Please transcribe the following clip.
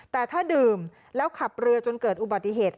แต่ถ้าดื่มแล้วขับเรือจนเกิดอุบัติเหตุ